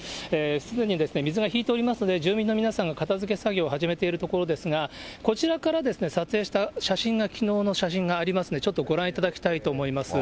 すでに水が引いておりますので、住民の皆さんが片づけ作業を始めているところですが、こちらから撮影した写真が、きのうの写真がありますので、ちょっとご覧いただきたいと思います。